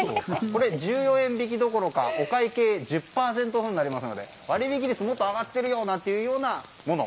これ１４円引きどころかお会計１０％引きとなりますので割引率がもっと上がっているよというようなもの。